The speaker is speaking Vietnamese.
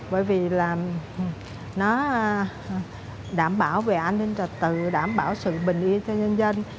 bởi vì là nó đảm bảo về an ninh trật tự đảm bảo sự bình yên cho nhân dân